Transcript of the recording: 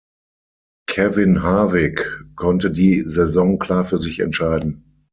Kevin Harvick konnte die Saison klar für sich entscheiden.